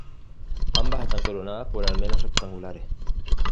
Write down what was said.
Ambas están coronadas por almenas rectangulares.